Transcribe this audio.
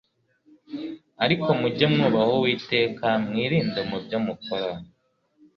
Ariko mujye mwubaha Uwiteka mwirinde mu byo mukora